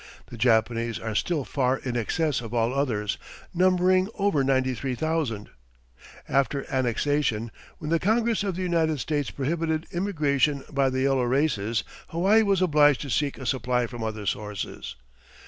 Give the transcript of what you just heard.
The Japanese are still far in excess of all others, numbering over 93,000. After annexation, when the Congress of the United States prohibited immigration by the yellow races, Hawaii was obliged to seek a supply from other sources.